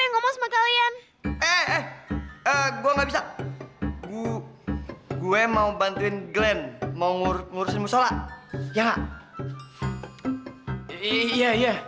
di situ sambil bu adriana disebut dengan gurirahim buat riche